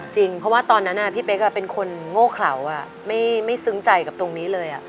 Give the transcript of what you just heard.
จริงเพราะว่าตอนนั้นพี่เป๊กเป็นคนโง่เขลาไม่ซึ้งใจกับตรงนี้เลย